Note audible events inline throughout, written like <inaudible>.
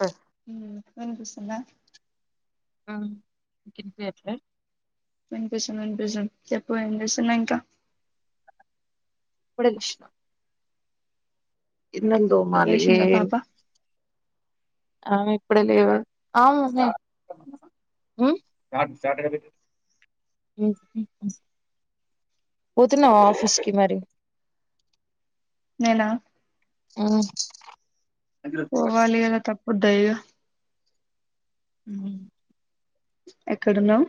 ఆ వినిపిస్తుందా ఆ వినిపియట్లేదా వినిపిస్తుంది వినిపిస్తుంది చెప్పు ఏం చేస్తున్నావ్ ఇంకా ఇప్పుడే లేసిన గిన్నె తోమాలియే లేసిందా పాప ఆమె ఇప్పుడే లేవదు ఆ ఉ షాటు షాటు ఏడ పెట్టారు పోతున్నావా ఆఫీస్ కి మరి ఎలా మ్మ్ పోవాలి కదా తప్పుద్దయ్యా మ్మ్ ఎక్కడున్నామ్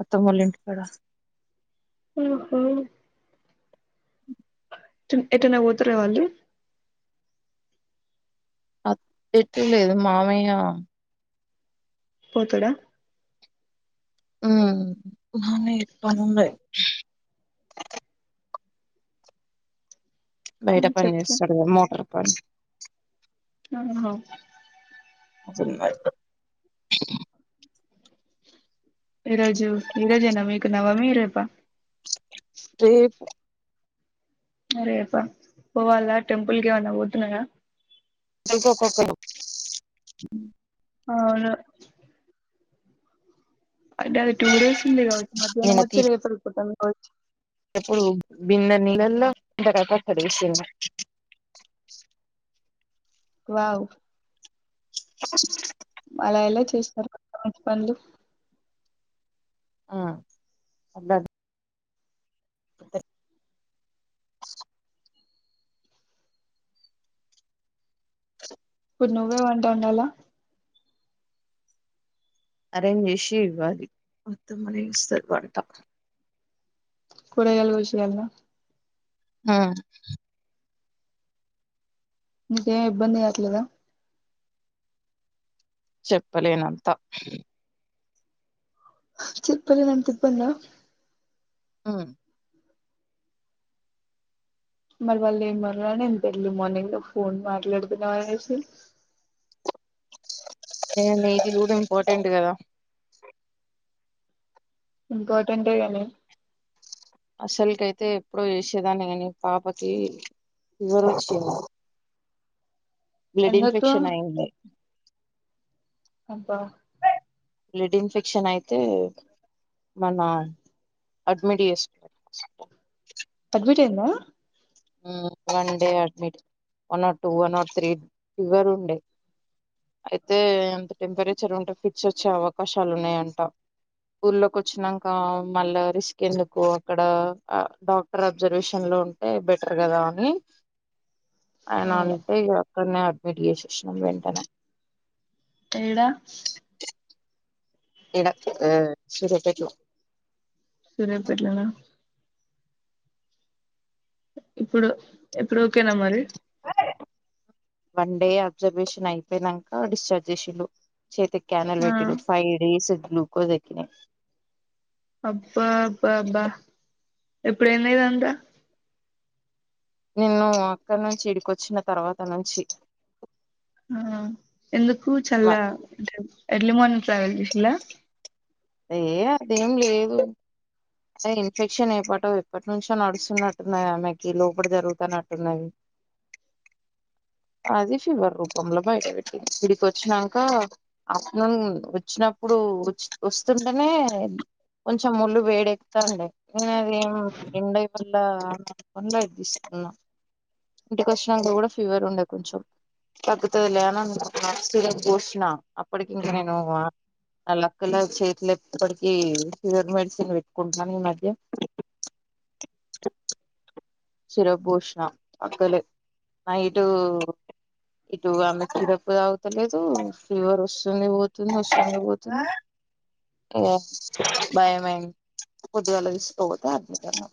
అత్తమ్మలింట్కాడా మ్మ్ హు టు ఎటన్నా పోతారా వాళ్ళు అత్ ఎటు లేదు మామయ్య పోతాడా మ్మ్ మామయ్యాకి పనుండాయ్ బయట పని చెప్పు చేస్తాడుగా మోటార్ పని అవున అసం అన్నాయి ఈరోజు ఈరోజేనా మీకు నవమి రేపా రేపు రేపా పోవాలా టెంపుల్ కేమన్న ఓతున్నర ఎల్ కో కోకో ఆ అవును అంటే అది టూ డేస్ ఉంది కావచ్చు మధ్యానం వచ్చి రేపు అపోతాం కావచ్చు ఎప్పుడు బింద నీలల్లో కొంతకడేసిండు వావ్ అలా ఎలా చేస్తారు మంచి పనులు ఆ అలాడు ఒకే ఇప్పుడు నువ్వే వంట వండాల అరేంజ్ చేసి ఇవ్వాలి మొత్తం అనే ఇస్తారు వంట కూరగాయల విషయం లో ఆ ఇంకేం ఇబ్బంది కాట్లేదా చెప్పలేనంత చెప్పలేనంత ఇబ్బందా మ్మ్ మరి వాళ్ళు ఏమనరా నిను ఎంత ఎర్లీ మార్నింగ్ ఫోన్ మాట్లాడుతున్నావ్ అనేసి ఏ నీది కూడా ఇంపార్టెంట్ కదా ఇంకోటంటే ఏమి అసలుకైతే ఎప్పుడో చేసేదాన్ని కాని పాపకి వూరిచ్చివ్వు బ్లడ్ ఎందుకు ఇన్ఫెక్షన్ అయింది అబ్బా బ్లడ్ ఇన్ఫెక్షన్ అయితే మన అడ్మిట్ చేస్ అడ్మిట్ అయిందా మ్మ్ one day admit one or two one or three fever ఉండే అయితే అంత టెంపరేచర్ ఉంటే ఫిడ్స్ వచ్చే అవకాశాలు ఉన్నాయంట ఊర్ లోకి వచ్చినంక మళ్ళా రిస్క్ ఎందుకు అక్కడ డాక్టర్ అబ్జర్వేషన్ లో లో ఉంటే బెటర్ కదా అని ఆయన అవును అంటే ఇగా అక్కడనే అడ్మిట్ చేసిర్ క్షం వెంటనే ఏడ <inaudible> సూర్యంపేట్లోనా ఇప్పుడు ఇప్పుడు ఓకేనా మరి వన్ డే అబ్జర్వేషన్ అయిపోయినాంక డిశ్చార్జ్ చేసిళు చేతిక్యనల్ ఆ పెట్టరు ఫైవ్ డేస్ గ్లూకోస్ ఎక్కినే అబ్బా అబ్బా అబ్బా ఎప్పుడైందిదంతా నిన్ను అక్కడి నుంచి ఇడికొచ్చిన తర్వాత నుంచి ఆ ఎందుకు చల్ల ఎర్లీ మార్నింగ్ ట్రావెల్ చేసిలా అయ అదేం లేదు అదే ఇన్ఫెక్షన్ ఏ పాటో ఎప్పటి నుంచో నడుస్తున్నట్టున్నాయి ఆమెకి లోపట జరుగుతనట్టున్నవి అది ఫీవర్ రూపంలో బయటపట్టింది ఈడికొచ్చినంక ఆఫటర్నూన్ వచ్చిన ఇప్పుడు వొచ్చి వస్తుంటేనే కొంచెం వొళ్ళు వేడి స్తారండి న అదిే రండ ఈ మల్ళ తీసుకున్నాం ఇంటికికొచ్చినంక గూడా ఫీవర్ ఉండే కొంచెం తగ్గుతది లే అననుకున్న శిరిప్ పోశిన అప్పటికి ఇంక నేను ఆ లక్కలా చేతిలెప్పటికి ఫివర్ మెడిసిన్ పెట్టుకుంటున్నాను ఈ మధ్య శిరిప్ పోష్నా అక్కలి నైట్ ఇటు అంత శిరిప్ తాగతలేదు ఫీవర్ వస్తుంది పోతుంది వస్తుంది పోతుంది బయమైంది పొద్దుగాల దిష్కపోతే అ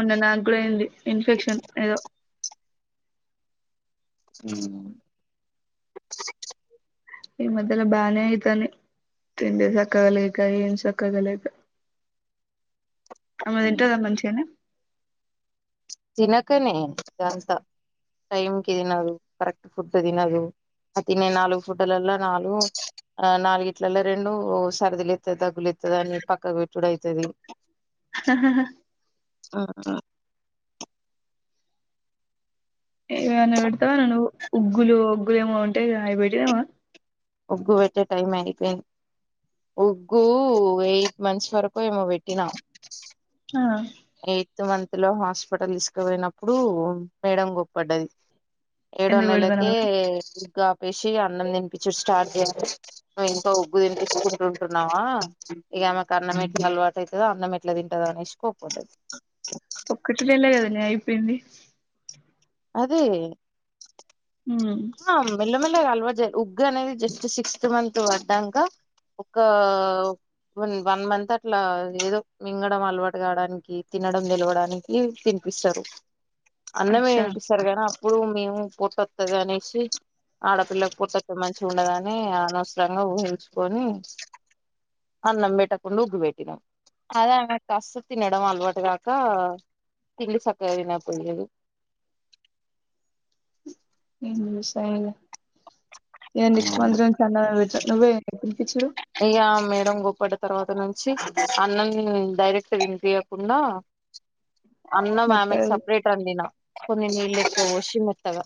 మొన్న నాక్కూడా అయింది ఇన్ఫెక్షన్ ఏదో ఊ ఈ మద్యల బానే అయితనే తిండే సక్కగాలక ఏమ్ సక్కగలేక ఆమె దింటదా మంచిగనే తినకనే ఇదంతా టైంకి దినదు కరెక్ట్ ఫుడ్ తినదు అతి నేను నాలుగు ఫుటలలో నాలుగు ఆ నాలుగుట్లలో రెండు సరిదిలు దగ్గులు అని పక్కకు పెట్టుడు అయితది ఆా ఆ ఏవన్న బెడతావన నువ్ ఉగ్గులు ఉగ్గులు ఏమో ఉంటే అయిబెట్దావా ఉగ్గు బెట్టే టైం అయిపోయింది ఉగ్గు ఎయిట్ మంత్స్ వరకో ఏమో బెట్టినా ఆ ఎయిత్ మంత్ లో హాస్పిటల్ దీస్కపోయినప్పుడు మేడం గోప్పడ్డది ఏడో ఎందుకు పెడతానవ్ నెలకే రా గాపేసి అన్నం తినిపిచ్చుడు స్టార్ట్ చేసు ఇంకా ఉగ్గు తినిపించుకుంటుంటున్నావా ఇగామెక్ అన్నమెట్ల అల్వాటయితది అన్నమెట్ల తింటదనిషి కోప్పడ్డది ఒక్కటి నెల కదనే అయిపోయింది అదే ఉమ్ ఆ మెల్లమెల్లగఅలవాట్ జే ఉగ్గు అనేది జస్ట్ సిక్స్త్ మంత్ పడ్డాక ఒకకా వన్ వన్ మంత్ అట్లా ఏదో మింగడం అలవాటు కాడానికి తినడం తెలవడానికి తి పిస్తారు అన్నమే అచ్చా తినిపిస్తరు గానీ అప్పుడు మేము పొట్టత్తదనేసి ఆడపిల్లకు పొట్టోత్తే మంచిగుండదని అనవసరంగా ఊహించుకొని అన్నం బెట్టకుండా ఉగ్గు బెట్టినం అదే ఆమెకసలు తినడం అలవాటుగాక తింండి సక్కగ పోయేదు ఏం తెలుసు ఐనకు ఇగ నెక్స్ట్ మంత్ నుంచి అన్నం తిన్ నువ్వే తినిపిచుడు డంగుపడ్డ తర్వాత నుంచి అన్నం డైరెక్ట్ తినిపియకున్న అన్న ఆమెక్ మెత్తగా సపరేట్ అండిన కొన్ని నీళ్ళ ఎక్కు ఓషి మెత్తగా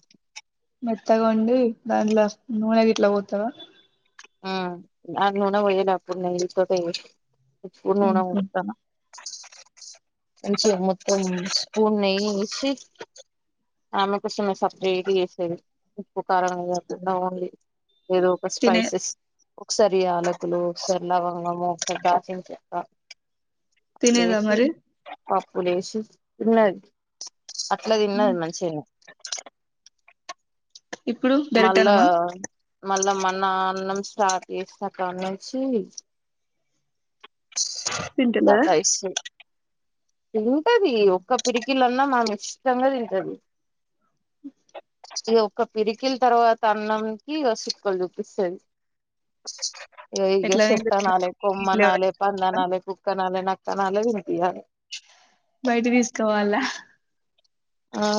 మెత్తగాండి దాంట్లో నూనె గిట్ల పోతావా ఊ అ నున పోయనపుడు నెయ్యితోటే ఓష్ ఇపుడు నూనె ఉహు ఒతన్న కొంచం మొత్తం స్పూన్ నెయ్యి వేసి ఆమె కోసమే సప్రేట్ చేసేది ఉప్పుకారం కాకుండా ఓన్లీ ఏదో ఒక తినే స్పైసెస్ ఒకసారి యాలకులు ఒకసారి లవంగము ఒకసారి డాల్చిన చెక్క తినేదా మరి పాపులేషి తిన్నది అట్లా తిన్నది మంచిగనే ఇప్పుడు డైరెక్ట్ అన్నమా మళ్ళ మన అన్నం స్టార్ట్ చేసిన కా నుంచి తింటలేదా సతయిసూ తింటది ఒక్క పిడికిలన్నా మా ఇచ్చిష్టంగా తింటది అ ఇగ ఒక్క పిడికిల తర్వాత అన్నం కి ఇగ సుక్కలు చూపిస్తది ఇగ ఎట్లా తింటది శెట్టానాలే ఇట్లా కొమ్మనలే ఏమన్నా పందనలే కుక్కనలే నక్కనలే తినిపియ్యలే బయిటి తీసుకపొవాలా ఆ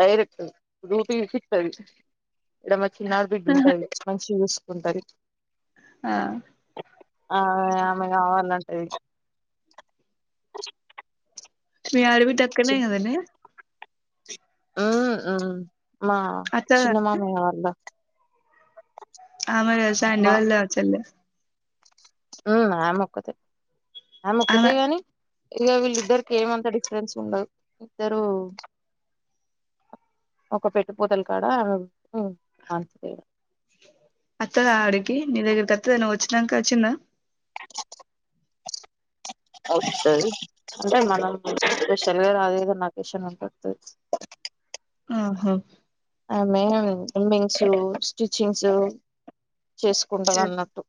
డైరెక్ట్ రూపీసితది ఈడ మ చినాడిబిడ్డ ఉంటదిలే మంచి చూసుకుంటది ఆ ఆ ఆమె కావాలంటది మీయాడి బిడ్డ డక్కనే కదనే ఊ ఉ మా అత్తదా చిన్నమామయ్య వాళ్ళ ఆమర సాండి వాళ్ళ చెల్ల ఊ ఆ మొక్కతే ఆ మొక్కతే ఆమె గానీ ఇగ వీళ్ళిద్దరికి ఏమంత డిఫరెన్స్ ఉండదు ఇద్దరు ఒక పెట్టుపోతలు ఆమెకు ఉ అంతే తేడా అత్తదా ఆడికి నీ దగ్గరికి అత్తదా నువు వచ్చినాక వచ్చిందా ఒస్తది అంటే మనం స్పెషల్ గా అదేదన్న అకేషన్ ఉంటే అత్తది ఆహా ఆమె ఇం రబింగ్సు స్టిచింగ్సు చేసుకుంటదన్నట్టు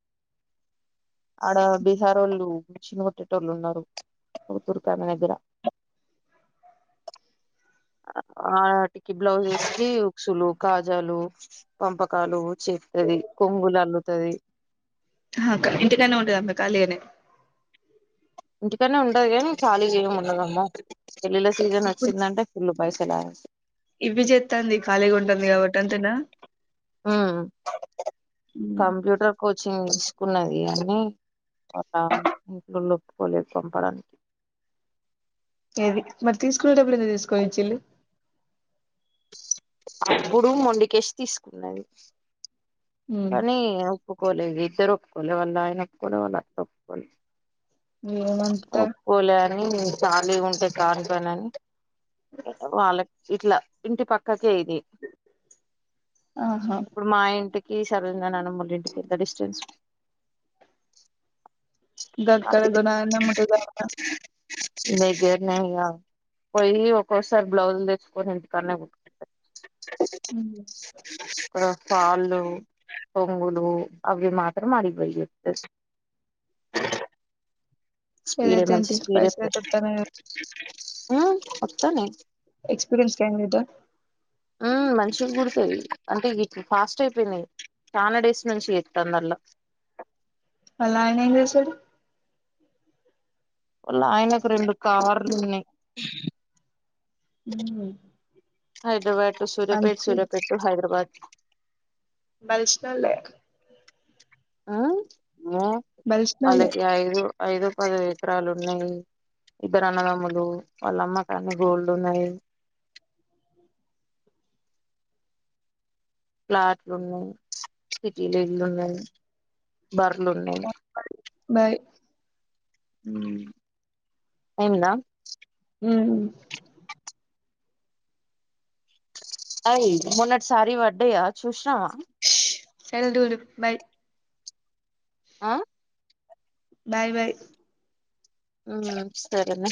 ఆడ బీహార్ ఓళ్ళు మిషిన్ కుట్టేటోళ్లు ఉన్నారు ఓ తుర్కామె దగ్గర ఆటికి బ్లౌజ్ ఇచ్చి ఉక్సులు కాజాలు పంపకాలు చేతది కొంగులు అల్లుతది ఆ అక్క ఇంటికనే ఉంటది అంత ఖాళీగానే ఇంటికనే ఉంటది కాలీగా ఏం ఉండదమ్మో పెళ్లిళ్ళ సీజన్ ఇప్పుడు వచ్చిందంటే ఫుల్ వైసలామెకి ఇవి చెత్తాంది ఖాళీగా ఉంటంది కాబట్టి అంతేనా ఆ కంప్యూటర్ కోచింగ్ కున్నది కాని వాళ్ళ ఇంట్లోల్లు ఒప్పుకోలేదు పంపడానికి <inaudible> ఏది మరి తీసుకునేటప్పుడు ఎందుకు తీసుకొనిచ్చిలు అపుడు మొండికేసి తీసుకున్నది కానీ ఒప్పుకోలేదు ఇద్దరు ఒప్పుకోలే వాళ్ళ ఆయన ఒప్పుకోలే వాళ్ళ అత్త ఒప్పుకోలే ఏమంత కానీ ఖాళీగా ఉంటే కాని పని అని వాళ్ళకి ఇట్లా ఇంటి పక్కక్ తేదీ ఆహా ఇప్పుడు మా ఇంటిక్ ఈశ్వర్ నానమ్మ మోళ్లకి ఎంత డిస్టెన్స్ <inaudible> ఎదురునుంగా పోయి ఒక్కొసారి బ్లౌజులు తెచ్చుకొని ఇంటికాడనే కుట్టుకుంటా ఆ ఫాల్లు కొంగులు అవి మాత్రం ఆడికి బోయి గుడతది <inaudible> స్పీడే ఏదైతే మంచి ఏంటి స్పీడ్ పైసలు ఎక్కువే అయితే వత్తన్నాయి ఎక్స్పీరియన్స్ కాండిడేటా ఆ మంచిగ కుడతది అంటే ఇప్పుడు ఫాస్ట్ అయిపోయినయ్ చాలా డేస్ నుంచి తందల్లో వాళ్ళ ఆయన ఏం చేస్తాడు వాళ్ళ ఆయనకు రెండు కార్లు ఉన్నాయ్ ఉమ్ హైదరాబాద్ టూ సూర్యపేట్ మంచిది సూర్యపేట్ టూ హైదరాబాద్ బలిష్ నోలేే ఆ బలిసినోళ్లే వాళ్ళకి ఐదు ఐదో పదో ఎకరాలు ఉన్నాయి ఇద్దరు అన్నదమ్ములు వాళ్ళమ్మ కన్ని గోల్డ్ ఉన్నాయ్ ఫ్లాట్లు ఉన్నాయ్ సిటీలో ఇల్లు ఉన్నాయ్ బర్లు ఉన్నాయి బాయ్ మ్ అయిందా మ్ అయ్ మోన్నటి సారి వడ్డయా చూసినవా ష్ వెల్దులు బై ఆ బాయ్ బాయ్ మ్ సరేన్నా